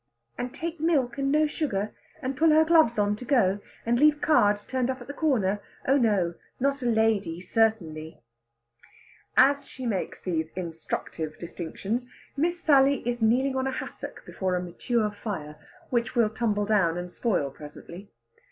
"And take milk and no sugar? And pull her gloves on to go? And leave cards turned up at the corner? Oh no not a lady, certainly!" As she makes these instructive distinctions, Miss Sally is kneeling on a hassock before a mature fire, which will tumble down and spoil presently.